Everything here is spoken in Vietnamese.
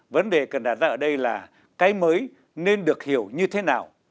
vấn đề cần đạt ra ở đây là cái mới nên được hiểu như thế nào